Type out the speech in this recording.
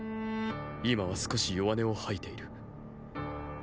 今は少し弱音を吐いている。